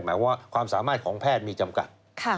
หมายความว่าความสามารถของแพทย์มีจำกัด